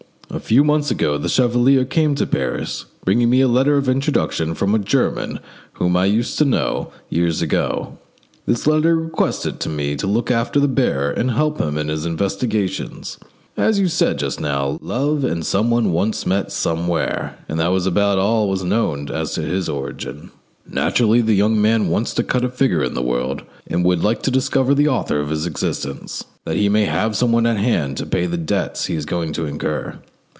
A few months ago the chevalier came to Paris, bringing me a letter of introduction from a German whom I used to know years ago. This letter requested me to look after the bearer and help him in his investigations. As you said just now, Love and someone once met somewhere, and that was about all was known as to his origin. Naturally the young man wants to cut a figure in the world, and would like to discover the author of his existence, that he may have someone at hand to pay the debts he is going to incur.